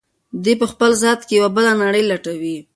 دی په خپل ذات کې یوه بله نړۍ لټوي.